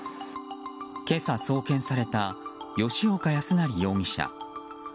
今朝、送検された吉岡康成容疑者。